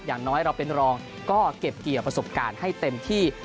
อย่างน้อยเราเป็นรองก็เก็บเกี่ยวประสบการณ์ให้เต็มที่